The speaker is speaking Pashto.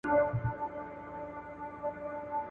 دغه کوچنی دونه ښکلی دی چي هر څوک یې غواړي.